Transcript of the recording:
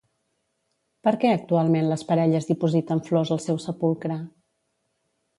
Per què actualment les parelles dipositen flors al seu sepulcre?